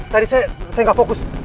tadi saya gak fokus